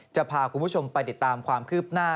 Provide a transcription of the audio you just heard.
จะพาคุณผู้ชมไปติดตามความคืบหน้า